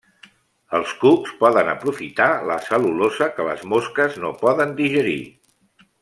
Els cucs poden aprofitar la cel·lulosa que les mosques no poden digerir.